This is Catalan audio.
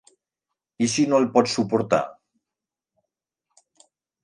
I si no el pots suportar?